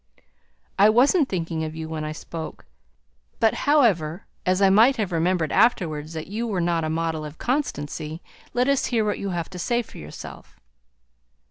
"I wasn't thinking of you when I spoke; but, however, as I might have remembered afterwards that you were not a model of constancy, let us hear what you have to say for yourself."